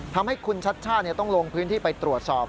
ทำให้คุณชัชชาติต้องลงพื้นที่ไปตรวจสอบ